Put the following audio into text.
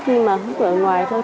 nhưng mà hút ở ngoài thôi